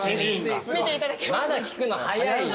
まだ聞くの早いよ。